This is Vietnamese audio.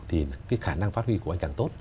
thì cái khả năng phát huy của anh càng tốt